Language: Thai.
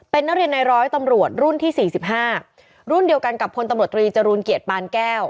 เป็นนักเรียนในร้อยตำรวจรุ่นที่๔๕รุ่นเดียวกันกับพลตำรวจตรีจรูลเกียรติปานแก้ว